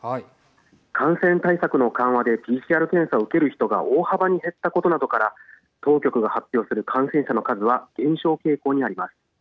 感染対策の緩和でＰＣＲ検査を受ける人が大幅に減ったことなどから当局が発表する感染者の数は減少傾向にあります。